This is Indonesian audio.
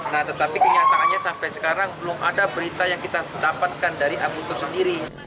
nah tetapi kenyataannya sampai sekarang belum ada berita yang kita dapatkan dari abu itu sendiri